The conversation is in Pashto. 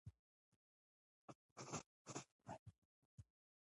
فشار د زړه ناروغۍ رامنځته کوي